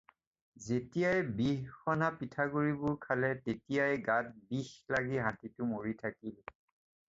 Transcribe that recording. যেতিয়াই বিহ-সনা পিঠাগুড়িবোৰ খালে তেতিয়াই গাত বিষ লাগি হাতীটো মৰি থাকিল।